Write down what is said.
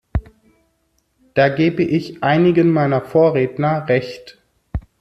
Da gebe ich einigen meiner Vorredner Recht.